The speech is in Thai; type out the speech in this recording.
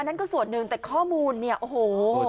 นั่นก็ส่วนหนึ่งแต่ข้อมูลเนี่ยโอ้โห